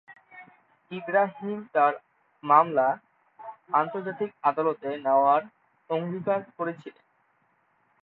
ইব্রাহিম তার মামলা আন্তর্জাতিক আদালতে নেওয়ার অঙ্গীকার করেছিলেন।